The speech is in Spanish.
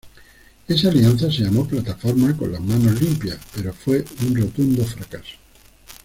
Esa alianza se llamó Plataforma con las Manos Limpias, pero fue un rotundo fracaso.